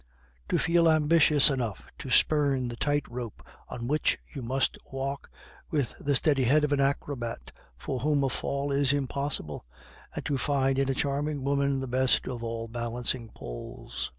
To feel ambitious enough to spurn the tight rope on which you must walk with the steady head of an acrobat for whom a fall is impossible, and to find in a charming woman the best of all balancing poles.